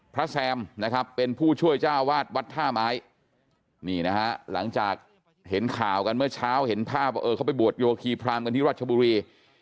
แซมนะครับเป็นผู้ช่วยเจ้าวาดวัดท่าไม้นี่นะฮะหลังจากเห็นข่าวกันเมื่อเช้าเห็นภาพว่าเออเขาไปบวชโยคีพรามกันที่รัชบุรี